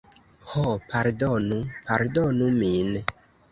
Ho, pardonu, pardonu min!